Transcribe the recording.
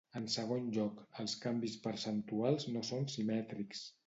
En segon lloc, els canvis percentuals no són simètrics.